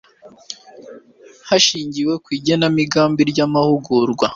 hashingiwe ku igenamigambi ry amahugurwa